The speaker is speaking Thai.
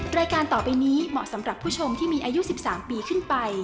รายการต่อไปนี้เหมาะสำหรับผู้ชมที่มีอายุ๑๓ปีขึ้นไป